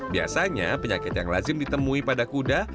biasanya penyakit yang lazim ditemui pada kuda